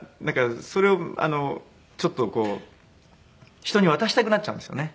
それをちょっと人に渡したくなっちゃうんですよね。